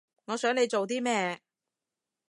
我想你做啲咩